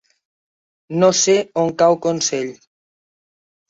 No sé on cau Consell.